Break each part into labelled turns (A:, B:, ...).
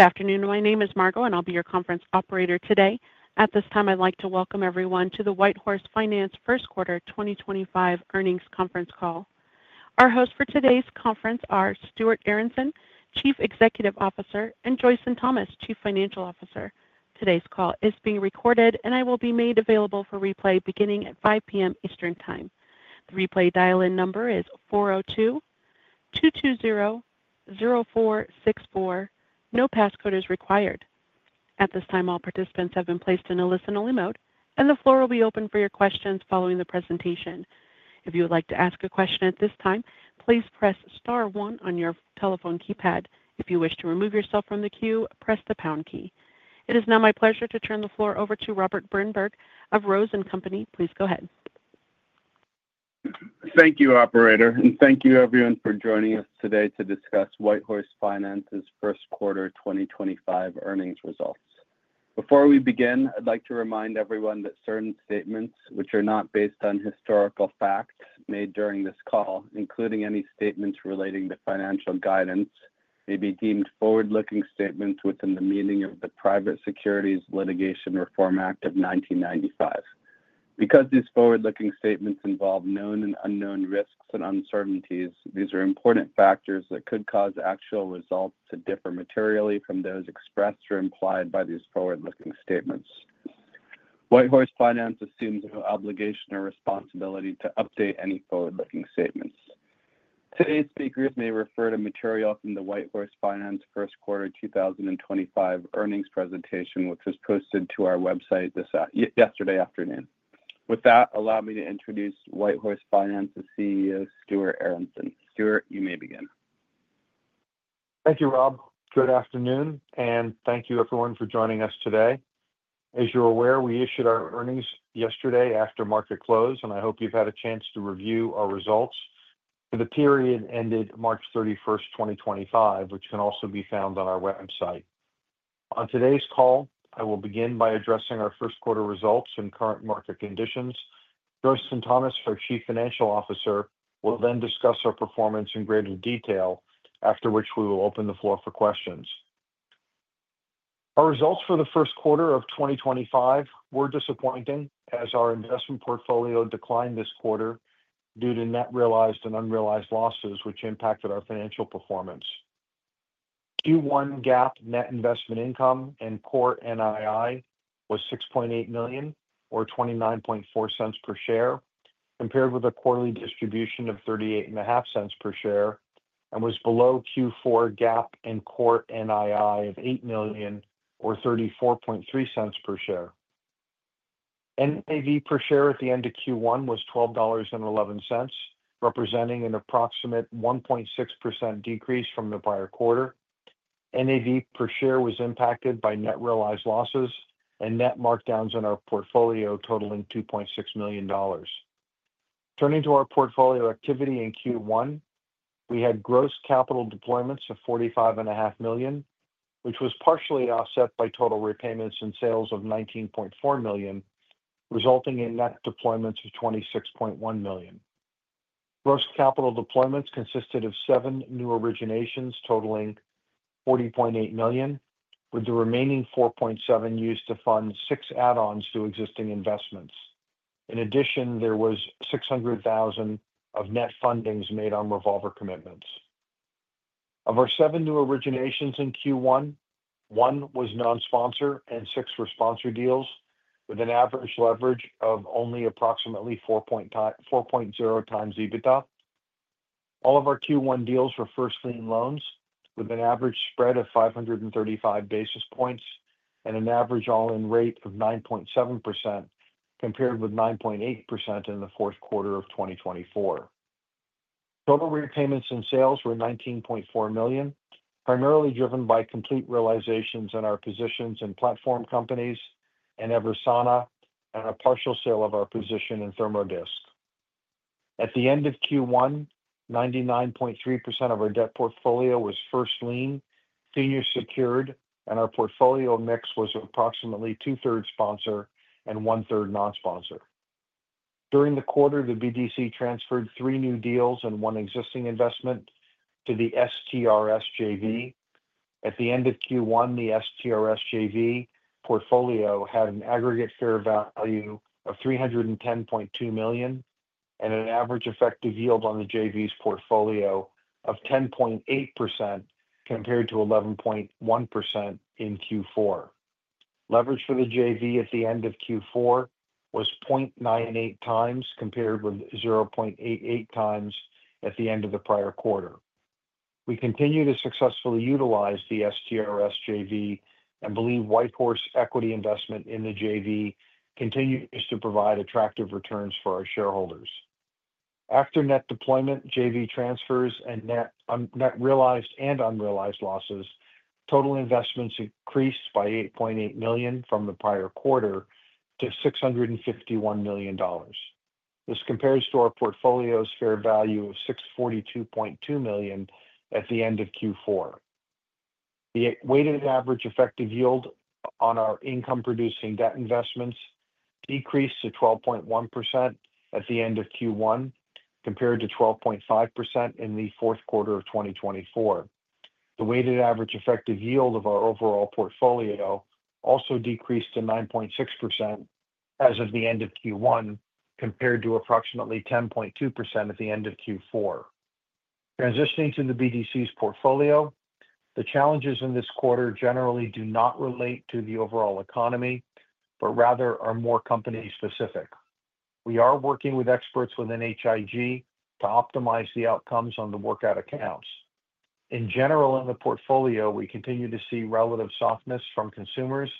A: Good afternoon. My name is Margo, and I'll be your conference operator today. At this time, I'd like to welcome everyone to the WhiteHorse Finance First Quarter 2025 earnings conference call. Our hosts for today's conference are Stuart Aronson, Chief Executive Officer, and Joyson Thomas, Chief Financial Officer. Today's call is being recorded, and it will be made available for replay beginning at 5:00 P.M. Eastern Time. The replay dial-in number is 402-220-0464. No passcode is required. At this time, all participants have been placed in a listen-only mode, and the floor will be open for your questions following the presentation. If you would like to ask a question at this time, please press star one on your telephone keypad. If you wish to remove yourself from the queue, press the pound key. It is now my pleasure to turn the floor over to Robert Brinberg of Rose & Company. Please go ahead.
B: Thank you, Operator, and thank you, everyone, for joining us today to discuss WhiteHorse Finance's First Quarter 2025 earnings results. Before we begin, I'd like to remind everyone that certain statements, which are not based on historical facts made during this call, including any statements relating to financial guidance, may be deemed forward-looking statements within the meaning of the Private Securities Litigation Reform Act of 1995. Because these forward-looking statements involve known and unknown risks and uncertainties, these are important factors that could cause actual results to differ materially from those expressed or implied by these forward-looking statements. WhiteHorse Finance assumes no obligation or responsibility to update any forward-looking statements. Today's speakers may refer to material from the WhiteHorse Finance First Quarter 2025 earnings presentation, which was posted to our website yesterday afternoon. With that, allow me to introduce WhiteHorse Finance's CEO, Stuart Aronson. Stuart, you may begin.
C: Thank you, Rob. Good afternoon, and thank you, everyone, for joining us today. As you're aware, we issued our earnings yesterday after market close, and I hope you've had a chance to review our results for the period ended March 31, 2025, which can also be found on our website. On today's call, I will begin by addressing our first quarter results and current market conditions. Joyson Thomas, our Chief Financial Officer, will then discuss our performance in greater detail, after which we will open the floor for questions. Our results for the first quarter of 2025 were disappointing as our investment portfolio declined this quarter due to net realized and unrealized losses, which impacted our financial performance. Q1 GAAP net investment income and core NII was $6.8 million, or $0.294 per share, compared with a quarterly distribution of $0.385 per share, and was below Q4 GAAP and core NII of $8 million, or $0.343 per share. NAV per share at the end of Q1 was $12.11, representing an approximate 1.6% decrease from the prior quarter. NAV per share was impacted by net realized losses and net markdowns in our portfolio totaling $2.6 million. Turning to our portfolio activity in Q1, we had gross capital deployments of $45.5 million, which was partially offset by total repayments and sales of $19.4 million, resulting in net deployments of $26.1 million. Gross capital deployments consisted of seven new originations totaling $40.8 million, with the remaining $4.7 million used to fund six add-ons to existing investments. In addition, there was $600,000 of net fundings made on revolver commitments. Of our seven new originations in Q1, one was non-sponsored and six were sponsored deals, with an average leverage of only approximately 4.0 times EBITDA. All of our Q1 deals were first lien loans, with an average spread of 535 basis points and an average all-in rate of 9.7%, compared with 9.8% in the fourth quarter of 2024. Total repayments and sales were $19.4 million, primarily driven by complete realizations in our positions in Platform Companies and Eversana, and a partial sale of our position in Therm-O-Disc. At the end of Q1, 99.3% of our debt portfolio was first lien, senior secured, and our portfolio mix was approximately two-thirds sponsored and one-third non-sponsored. During the quarter, the BDC transferred three new deals and one existing investment to the STRS JV. At the end of Q1, the STRS JV portfolio had an aggregate fair value of $310.2 million and an average effective yield on the JV's portfolio of 10.8% compared to 11.1% in Q4. Leverage for the JV at the end of Q4 was 0.98 times compared with 0.88 times at the end of the prior quarter. We continue to successfully utilize the STRS JV and believe WhiteHorse Equity Investment in the JV continues to provide attractive returns for our shareholders. After net deployment, JV transfers and net realized and unrealized losses, total investments increased by $8.8 million from the prior quarter to $651 million. This compares to our portfolio's fair value of $642.2 million at the end of Q4. The weighted average effective yield on our income-producing debt investments decreased to 12.1% at the end of Q1, compared to 12.5% in the fourth quarter of 2024. The weighted average effective yield of our overall portfolio also decreased to 9.6% as of the end of Q1, compared to approximately 10.2% at the end of Q4. Transitioning to the BDC's portfolio, the challenges in this quarter generally do not relate to the overall economy, but rather are more company-specific. We are working with experts within H.I.G. to optimize the outcomes on the workout accounts. In general, in the portfolio, we continue to see relative softness from consumers,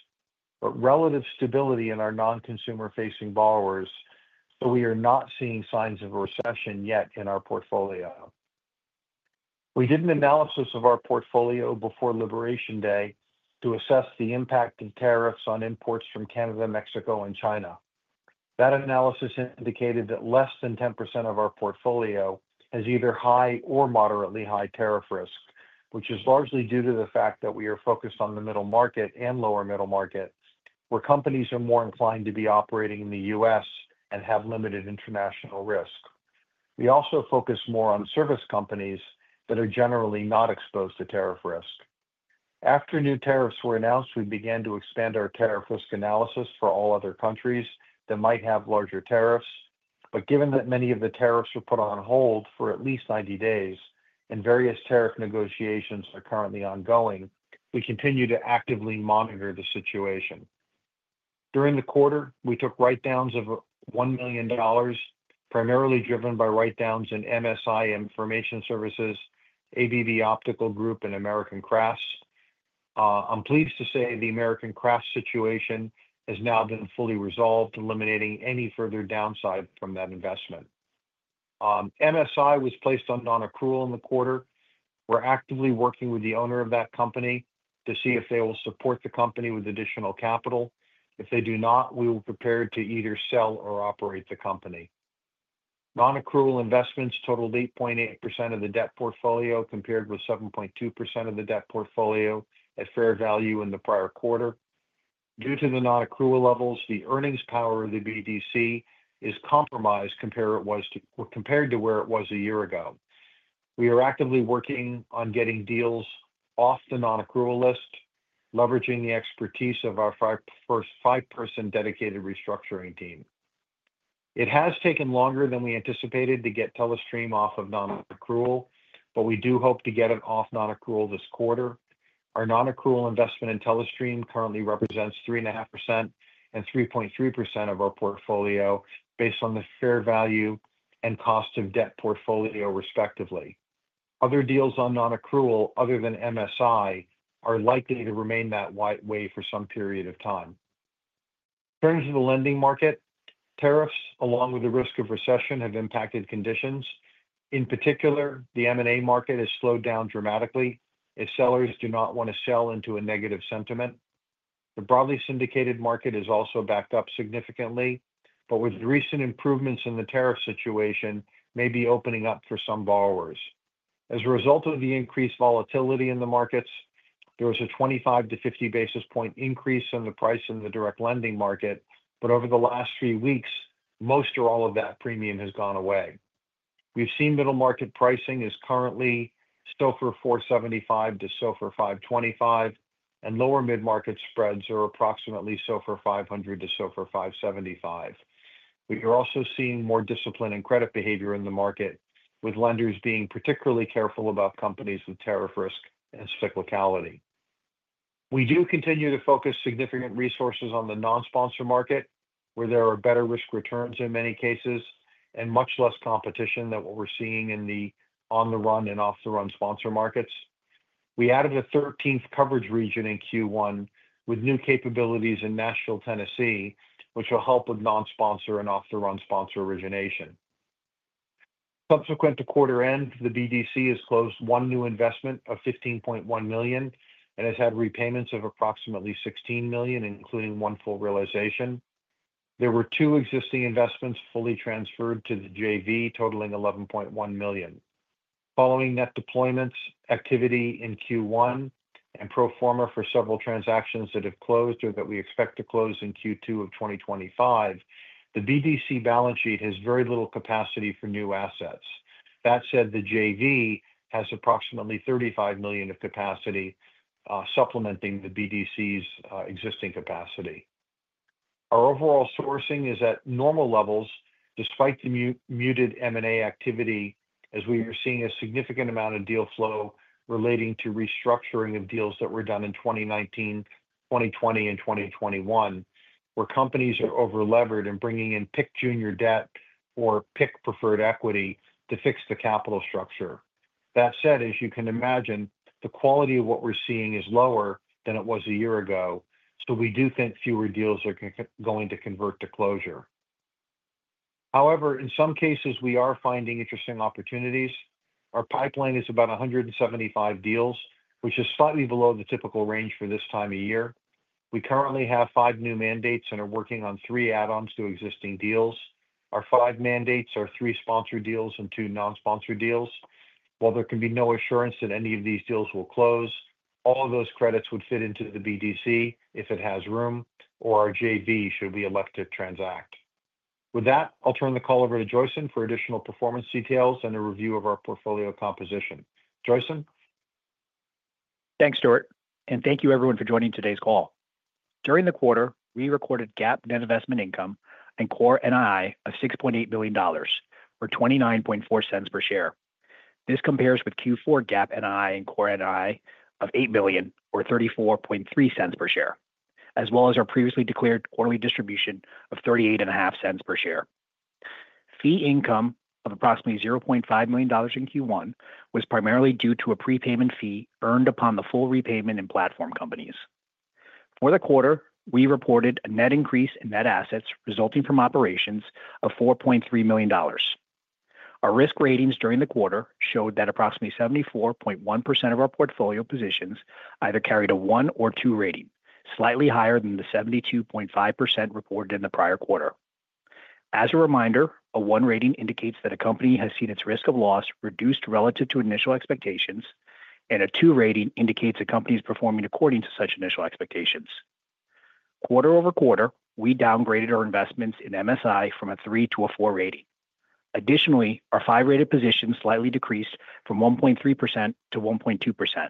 C: but relative stability in our non-consumer-facing borrowers, so we are not seeing signs of a recession yet in our portfolio. We did an analysis of our portfolio before liberation day to assess the impact of tariffs on imports from Canada, Mexico, and China. That analysis indicated that less than 10% of our portfolio has either high or moderately high tariff risk, which is largely due to the fact that we are focused on the middle market and lower middle market, where companies are more inclined to be operating in the U.S. and have limited international risk. We also focus more on service companies that are generally not exposed to tariff risk. After new tariffs were announced, we began to expand our tariff risk analysis for all other countries that might have larger tariffs, but given that many of the tariffs were put on hold for at least 90 days and various tariff negotiations are currently ongoing, we continue to actively monitor the situation. During the quarter, we took write-downs of $1 million, primarily driven by write-downs in MSI Information Services, ABB Optical Group, and American Crafts. I'm pleased to say the American Crafts situation has now been fully resolved, eliminating any further downside from that investment. MSI was placed on non-accrual in the quarter. We're actively working with the owner of that company to see if they will support the company with additional capital. If they do not, we will prepare to either sell or operate the company. Non-accrual investments totaled 8.8% of the debt portfolio, compared with 7.2% of the debt portfolio at fair value in the prior quarter. Due to the non-accrual levels, the earnings power of the BDC is compromised compared to where it was a year ago. We are actively working on getting deals off the non-accrual list, leveraging the expertise of our first five-person dedicated restructuring team. It has taken longer than we anticipated to get Telestream off of non-accrual, but we do hope to get it off non-accrual this quarter. Our non-accrual investment in Telestream currently represents 3.5% and 3.3% of our portfolio based on the fair value and cost of debt portfolio, respectively. Other deals on non-accrual other than MSI are likely to remain that way for some period of time. Turning to the lending market, tariffs, along with the risk of recession, have impacted conditions. In particular, the M&A market has slowed down dramatically if sellers do not want to sell into a negative sentiment. The broadly syndicated market has also backed up significantly, but with recent improvements in the tariff situation, may be opening up for some borrowers. As a result of the increased volatility in the markets, there was a 25-50 basis point increase in the price in the direct lending market, but over the last three weeks, most or all of that premium has gone away. We've seen middle market pricing is currently SOFR 475-SOFR 525, and lower mid-market spreads are approximately SOFR 500-SOFR 575. We are also seeing more discipline and credit behavior in the market, with lenders being particularly careful about companies with tariff risk and cyclicality. We do continue to focus significant resources on the non-sponsor market, where there are better risk returns in many cases and much less competition than what we're seeing in the on-the-run and off-the-run sponsor markets. We added a 13th coverage region in Q1 with new capabilities in Nashville, Tennessee, which will help with non-sponsor and off-the-run sponsor origination. Subsequent to quarter end, the BDC has closed one new investment of $15.1 million and has had repayments of approximately $16 million, including one full realization. There were two existing investments fully transferred to the JV, totaling $11.1 million. Following net deployments activity in Q1 and pro forma for several transactions that have closed or that we expect to close in Q2 of 2025, the BDC balance sheet has very little capacity for new assets. That said, the JV has approximately $35 million of capacity supplementing the BDC's existing capacity. Our overall sourcing is at normal levels despite the muted M&A activity, as we are seeing a significant amount of deal flow relating to restructuring of deals that were done in 2019, 2020, and 2021, where companies are over-levered and bringing in picked junior debt or picked preferred equity to fix the capital structure. That said, as you can imagine, the quality of what we're seeing is lower than it was a year ago, so we do think fewer deals are going to convert to closure. However, in some cases, we are finding interesting opportunities. Our pipeline is about 175 deals, which is slightly below the typical range for this time of year. We currently have five new mandates and are working on three add-ons to existing deals. Our five mandates are three sponsored deals and two non-sponsored deals. While there can be no assurance that any of these deals will close, all of those credits would fit into the BDC if it has room, or our JV should we elect to transact. With that, I'll turn the call over to Joyson for additional performance details and a review of our portfolio composition. Joyson.
D: Thanks, Stuart, and thank you, everyone, for joining today's call. During the quarter, we recorded GAAP net investment income and core NII of $6.8 million or $0.294 per share. This compares with Q4 GAAP NII and core NII of $8 million or $0.343 per share, as well as our previously declared quarterly distribution of $0.385 per share. Fee income of approximately $500,000 in Q1 was primarily due to a prepayment fee earned upon the full repayment in Platform Companies. For the quarter, we reported a net increase in net assets resulting from operations of $4.3 million. Our risk ratings during the quarter showed that approximately 74.1% of our portfolio positions either carried a one or two rating, slightly higher than the 72.5% reported in the prior quarter. As a reminder, a one rating indicates that a company has seen its risk of loss reduced relative to initial expectations, and a two rating indicates a company is performing according to such initial expectations. Quarter over quarter, we downgraded our investments in MSI from a three to a four rating. Additionally, our five-rated position slightly decreased from 1.3% to 1.2%.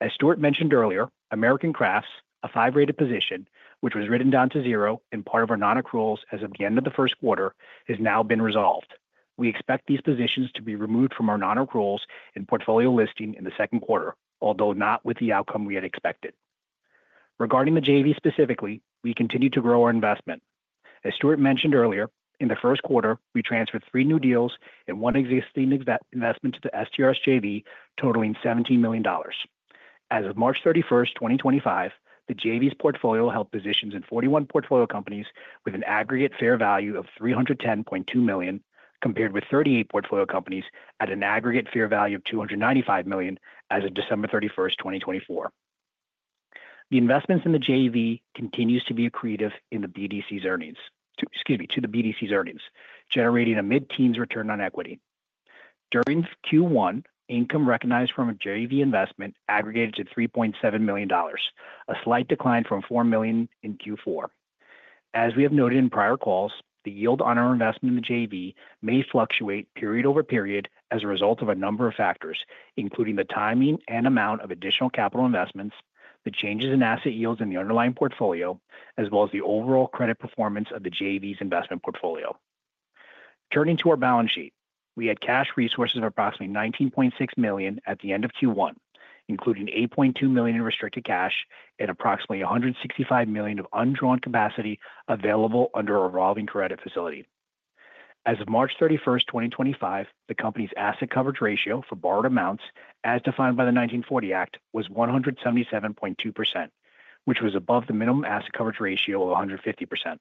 D: As Stuart mentioned earlier, American Crafts, a five-rated position, which was written down to zero in part of our non-accruals as of the end of the first quarter, has now been resolved. We expect these positions to be removed from our non-accruals and portfolio listing in the second quarter, although not with the outcome we had expected. Regarding the JV specifically, we continue to grow our investment. As Stuart mentioned earlier, in the first quarter, we transferred three new deals and one existing investment to the STRS JV, totaling $17 million. As of March 31, 2025, the JV's portfolio held positions in 41 portfolio companies with an aggregate fair value of $310.2 million, compared with 38 portfolio companies at an aggregate fair value of $295 million as of December 31, 2024. The investments in the JV continue to be accretive in the BDC's earnings, generating a mid-teens return on equity. During Q1, income recognized from a JV investment aggregated to $3.7 million, a slight decline from $4 million in Q4. As we have noted in prior calls, the yield on our investment in the JV may fluctuate period over period as a result of a number of factors, including the timing and amount of additional capital investments, the changes in asset yields in the underlying portfolio, as well as the overall credit performance of the JV's investment portfolio. Turning to our balance sheet, we had cash resources of approximately $19.6 million at the end of Q1, including $8.2 million in restricted cash and approximately $165 million of undrawn capacity available under our evolving credit facility. As of March 31, 2025, the company's asset coverage ratio for borrowed amounts, as defined by the 1940 Act, was 177.2%, which was above the minimum asset coverage ratio of 150%.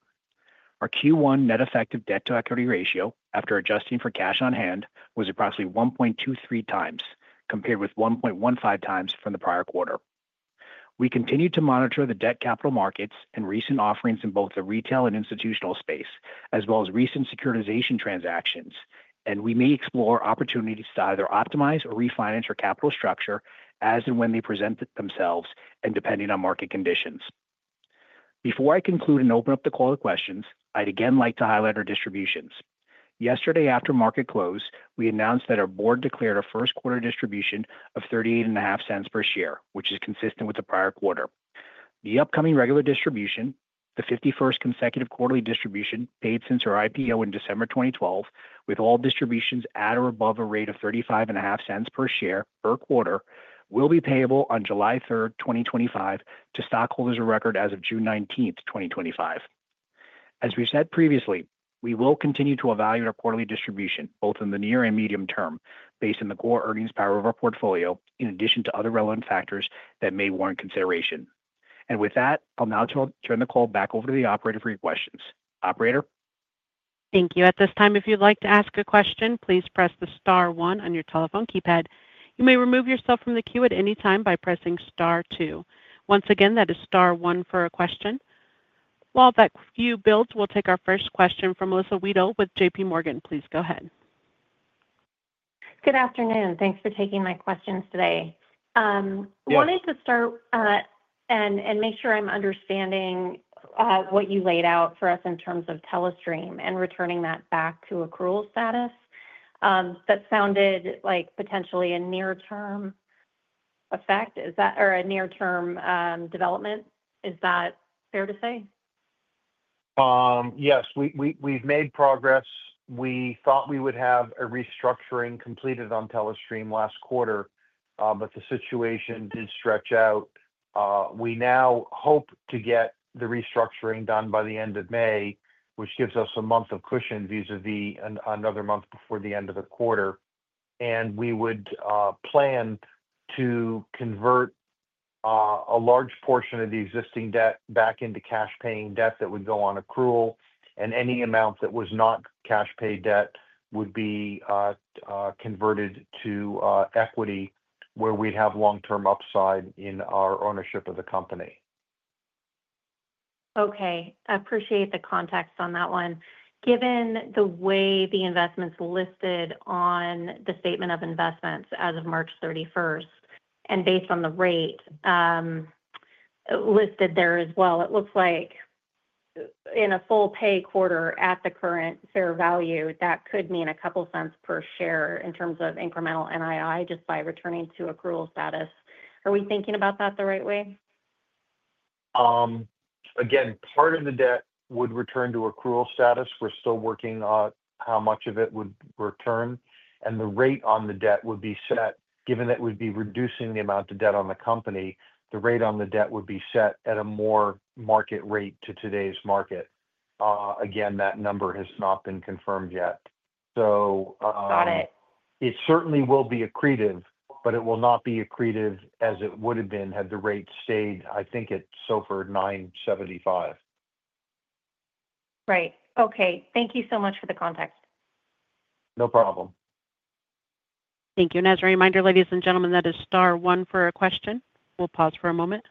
D: Our Q1 net effective debt to equity ratio, after adjusting for cash on hand, was approximately 1.23 times, compared with 1.15 times from the prior quarter. We continue to monitor the debt capital markets and recent offerings in both the retail and institutional space, as well as recent securitization transactions, and we may explore opportunities to either optimize or refinance our capital structure as and when they present themselves and depending on market conditions. Before I conclude and open up the call to questions, I'd again like to highlight our distributions. Yesterday, after market close, we announced that our board declared a first quarter distribution of $0.385 per share, which is consistent with the prior quarter. The upcoming regular distribution, the 51st consecutive quarterly distribution paid since our IPO in December 2012, with all distributions at or above a rate of $0.355 per share per quarter, will be payable on July 3, 2025, to stockholders of record as of June 19, 2025. As we said previously, we will continue to evaluate our quarterly distribution both in the near and medium term based on the core earnings power of our portfolio, in addition to other relevant factors that may warrant consideration. With that, I'll now turn the call back over to the operator for your questions. Operator.
A: Thank you. At this time, if you'd like to ask a question, please press the star one on your telephone keypad. You may remove yourself from the queue at any time by pressing star two. Once again, that is star one for a question. While that queue builds, we'll take our first question from Melissa Wedel with JPMorgan. Please go ahead.
E: Good afternoon. Thanks for taking my questions today. Wanted to start and make sure I'm understanding what you laid out for us in terms of Telestream and returning that back to accrual status. That sounded like potentially a near-term effect or a near-term development. Is that fair to say?
C: Yes. We've made progress. We thought we would have a restructuring completed on Telestream last quarter, but the situation did stretch out. We now hope to get the restructuring done by the end of May, which gives us a month of cushion vis-à-vis another month before the end of the quarter. We would plan to convert a large portion of the existing debt back into cash-paying debt that would go on accrual, and any amount that was not cash-pay debt would be converted to equity, where we'd have long-term upside in our ownership of the company.
E: Okay. I appreciate the context on that one. Given the way the investments listed on the statement of investments as of March 31 and based on the rate listed there as well, it looks like in a full-pay quarter at the current fair value, that could mean a couple cents per share in terms of incremental NII just by returning to accrual status. Are we thinking about that the right way?
C: Again, part of the debt would return to accrual status. We're still working out how much of it would return. The rate on the debt would be set, given that it would be reducing the amount of debt on the company, the rate on the debt would be set at a more market rate to today's market. Again, that number has not been confirmed yet.
E: Got it.
C: It certainly will be accretive, but it will not be accretive as it would have been had the rate stayed, I think, at so far 975.
E: Right. Okay. Thank you so much for the context.
C: No problem.
A: Thank you. As a reminder, ladies and gentlemen, that is star one for a question. We'll pause for a moment.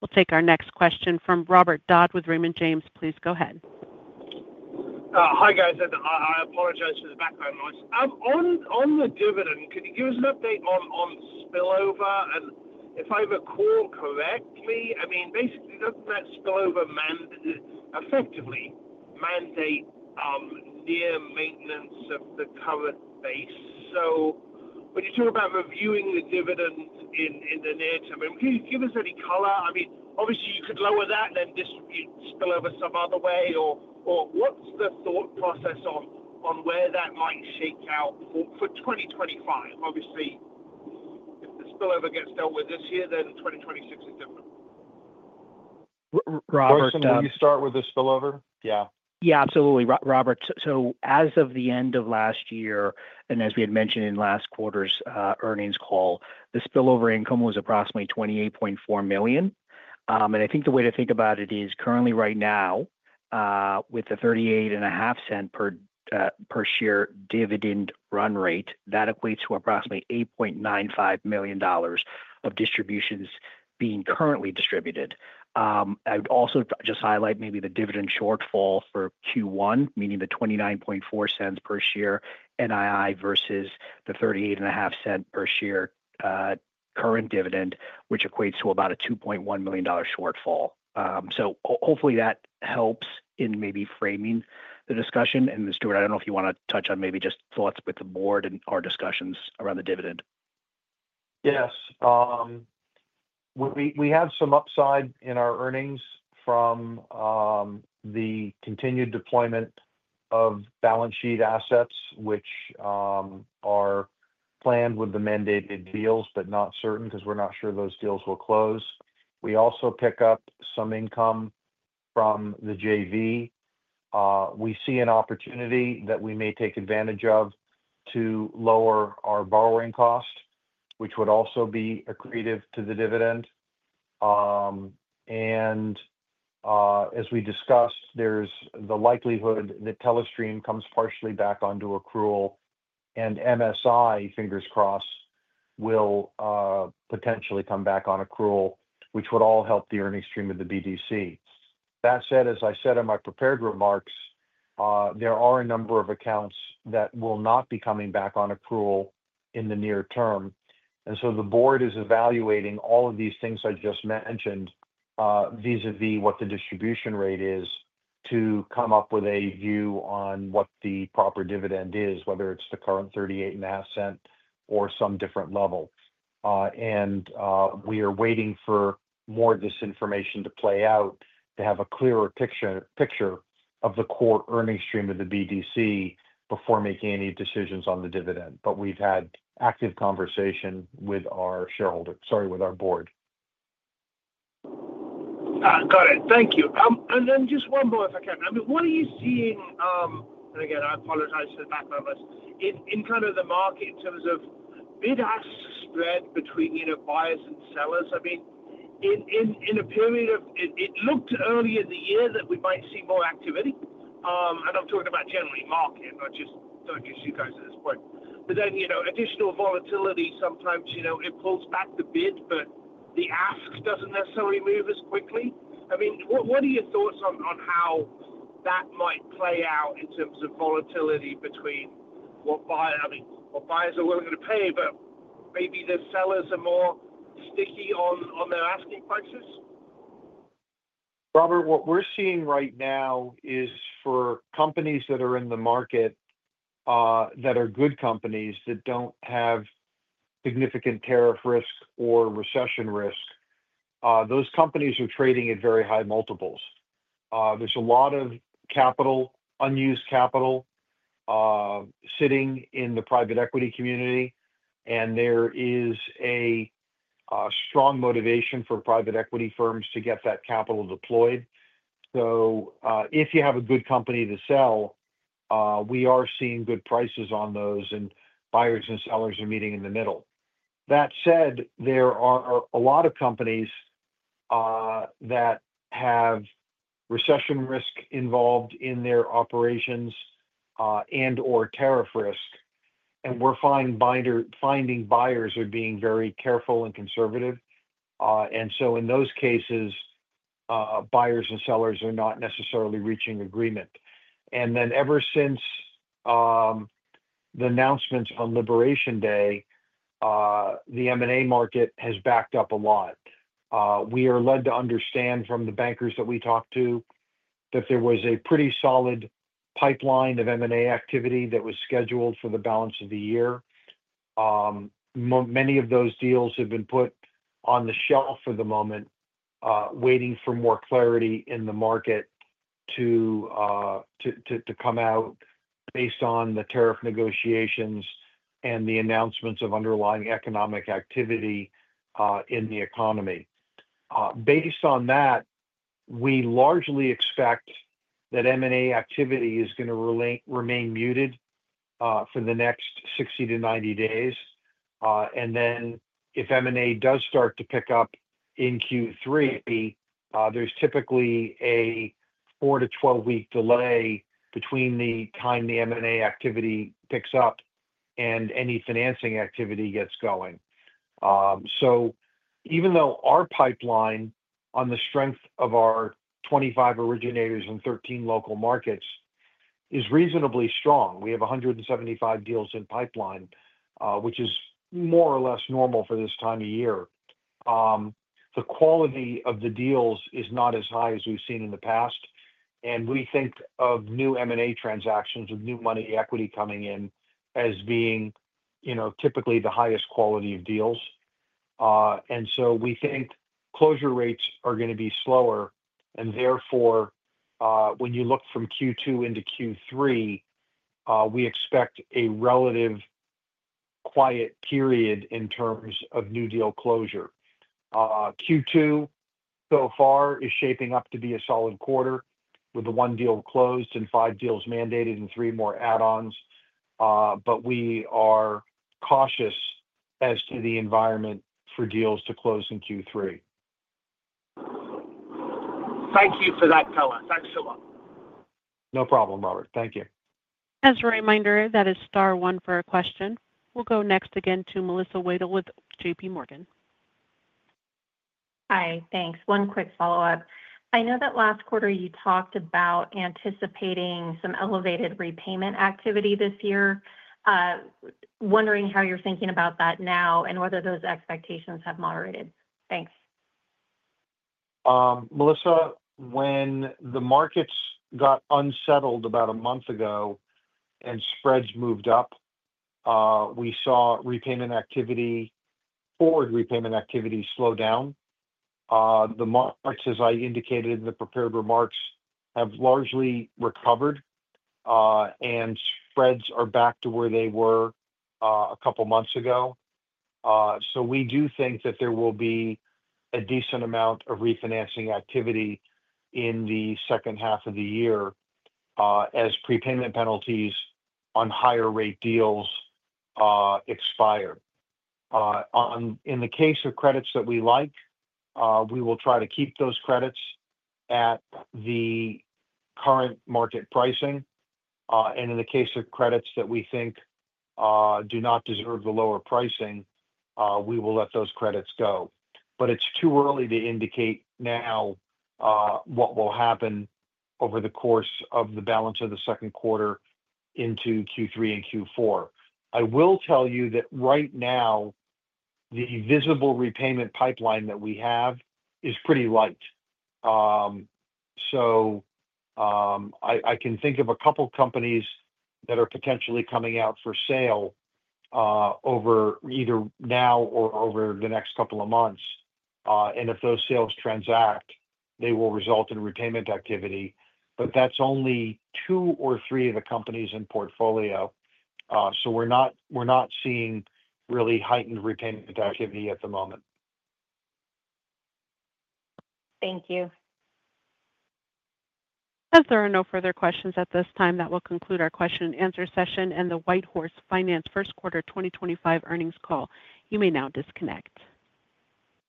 A: We'll take our next question from Robert Dodd with Raymond James. Please go ahead.
F: Hi, guys. I apologize for the background noise. On the dividend, could you give us an update on spillover? And if I recall correctly, I mean, basically, does not that spillover effectively mandate near maintenance of the current base? When you talk about reviewing the dividend in the near term, can you give us any color? I mean, obviously, you could lower that and then distribute spillover some other way. What is the thought process on where that might shake out for 2025? Obviously, if the spillover gets dealt with this year, then 2026 is different.
C: Robert, can you start with the spillover? Yeah.
B: Yeah, absolutely. Robert, so as of the end of last year, and as we had mentioned in last quarter's earnings call, the spillover income was approximately $28.4 million. I think the way to think about it is currently right now, with the $0.385 per share dividend run rate, that equates to approximately $8.95 million of distributions being currently distributed. I would also just highlight maybe the dividend shortfall for Q1, meaning the $0.294 per share NII versus the $0.385 per share current dividend, which equates to about a $2.1 million shortfall. Hopefully, that helps in maybe framing the discussion. Stuart, I do not know if you want to touch on maybe just thoughts with the board and our discussions around the dividend.
C: Yes. We have some upside in our earnings from the continued deployment of balance sheet assets, which are planned with the mandated deals, but not certain because we're not sure those deals will close. We also pick up some income from the JV. We see an opportunity that we may take advantage of to lower our borrowing cost, which would also be accretive to the dividend. As we discussed, there's the likelihood that Telestream comes partially back onto accrual, and MSI, fingers crossed, will potentially come back on accrual, which would all help the earnings stream of the BDC. That said, as I said in my prepared remarks, there are a number of accounts that will not be coming back on accrual in the near term. The board is evaluating all of these things I just mentioned vis-à-vis what the distribution rate is to come up with a view on what the proper dividend is, whether it is the current $0.385 or some different level. We are waiting for more of this information to play out to have a clearer picture of the core earnings stream of the BDC before making any decisions on the dividend. We have had active conversation with our board.
F: Got it. Thank you. Just one more, if I can. I mean, what are you seeing? I apologize for the background noise. In kind of the market in terms of bid-ask spread between buyers and sellers, I mean, in a period of it looked early in the year that we might see more activity. I am talking about generally market, not just you guys at this point. Additional volatility, sometimes it pulls back the bid, but the ask does not necessarily move as quickly. I mean, what are your thoughts on how that might play out in terms of volatility between what buyers are willing to pay, but maybe the sellers are more sticky on their asking prices?
C: Robert, what we're seeing right now is for companies that are in the market that are good companies that don't have significant tariff risk or recession risk, those companies are trading at very high multiples. There's a lot of capital, unused capital, sitting in the private equity community, and there is a strong motivation for private equity firms to get that capital deployed. If you have a good company to sell, we are seeing good prices on those, and buyers and sellers are meeting in the middle. That said, there are a lot of companies that have recession risk involved in their operations and/or tariff risk, and we're finding buyers are being very careful and conservative. In those cases, buyers and sellers are not necessarily reaching agreement. Ever since the announcements on Liberation Day, the M&A market has backed up a lot. We are led to understand from the bankers that we talked to that there was a pretty solid pipeline of M&A activity that was scheduled for the balance of the year. Many of those deals have been put on the shelf for the moment, waiting for more clarity in the market to come out based on the tariff negotiations and the announcements of underlying economic activity in the economy. Based on that, we largely expect that M&A activity is going to remain muted for the next 60-90 days. If M&A does start to pick up in Q3, there is typically a four-12 week delay between the time the M&A activity picks up and any financing activity gets going. Even though our pipeline on the strength of our 25 originators and 13 local markets is reasonably strong, we have 175 deals in pipeline, which is more or less normal for this time of year. The quality of the deals is not as high as we've seen in the past, and we think of new M&A transactions with new money equity coming in as being typically the highest quality of deals. We think closure rates are going to be slower, and therefore, when you look from Q2 into Q3, we expect a relative quiet period in terms of new deal closure. Q2 so far is shaping up to be a solid quarter with one deal closed and five deals mandated and three more add-ons, but we are cautious as to the environment for deals to close in Q3.
F: Thank you for that, Thomas. Thanks a lot.
D: No problem, Robert. Thank you.
A: As a reminder, that is star one for a question. We'll go next again to Melissa Wedel with JPMorgan.
E: Hi. Thanks. One quick follow-up. I know that last quarter you talked about anticipating some elevated repayment activity this year. Wondering how you're thinking about that now and whether those expectations have moderated. Thanks.
C: Melissa, when the markets got unsettled about a month ago and spreads moved up, we saw repayment activity, forward repayment activity slow down. The markets, as I indicated in the prepared remarks, have largely recovered, and spreads are back to where they were a couple months ago. We do think that there will be a decent amount of refinancing activity in the second half of the year as prepayment penalties on higher-rate deals expire. In the case of credits that we like, we will try to keep those credits at the current market pricing. In the case of credits that we think do not deserve the lower pricing, we will let those credits go. It is too early to indicate now what will happen over the course of the balance of the second quarter into Q3 and Q4. I will tell you that right now, the visible repayment pipeline that we have is pretty light. I can think of a couple companies that are potentially coming out for sale either now or over the next couple of months. If those sales transact, they will result in repayment activity. That is only two or three of the companies in portfolio. We are not seeing really heightened repayment activity at the moment.
E: Thank you.
A: As there are no further questions at this time, that will conclude our question-and-answer session and the WhiteHorse Finance First Quarter 2025 earnings call. You may now disconnect.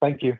C: Thank you.